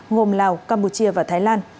gồm lào campuchia và thái lan